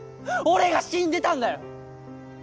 俺が死んでたんだよ。